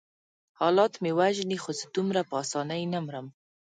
حالات مې وژني خو زه دومره په آسانۍ نه مرم.